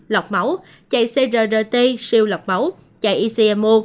lọc máu chạy crrt siêu lọc máu chạy ecmo